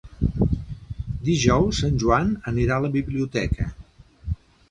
Dijous en Joan anirà a la biblioteca.